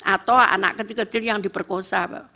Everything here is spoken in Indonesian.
atau anak kecil kecil yang diperkosa